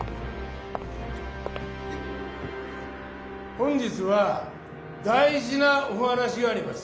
「本日は大じなお話があります。